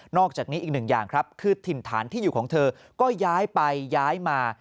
อกจากนี้อีกหนึ่งอย่างครับคือถิ่นฐานที่อยู่ของเธอก็ย้ายไปย้ายมา